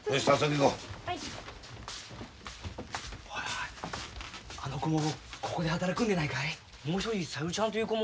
おいあの子もここで働くんでないかい？